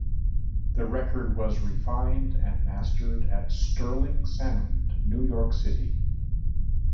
The record was refined and mastered at Sterling Sound, New York City.